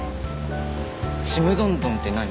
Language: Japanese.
ちむどんどんって何？